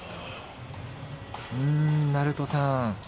鳴戸さん